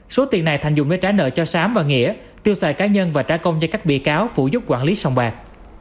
số tiền này thành dụng để trả nợ cho sám và nghĩa tiêu xài cá nhân và trả công cho các bị cáo phủ giúp quản lý xong bạc